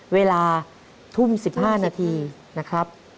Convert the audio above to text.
เวลาทุ่ม๑๕นาทีนะครับ